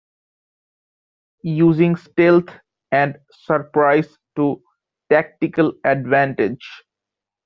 Using stealth and surprise to tactical advantage.